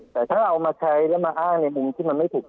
แต่ถ้าเอามาใช้แล้วมาอ้างในมุมที่มันไม่ถูก